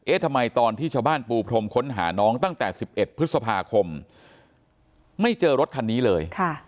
ทำไมตอนที่ชาวบ้านปูพรมค้นหาน้องตั้งแต่๑๑พฤษภาคมไม่เจอรถคันนี้เลย